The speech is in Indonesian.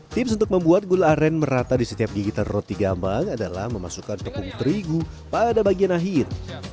tips untuk membuat gula aren merata di setiap gigitan roti gambang adalah memasukkan tepung terigu pada bagian akhir